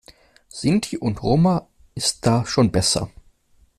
Sinti und Roma ist da schon besser.